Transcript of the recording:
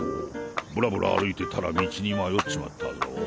ブラブラ歩いてたら道に迷っちまったぞ。